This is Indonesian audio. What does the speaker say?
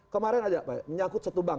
kemarin aja menyakut satu bank